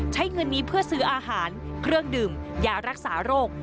ใช้เงินนี้เพื่อซื้ออาหารเครื่องดื่มยารักษาโรค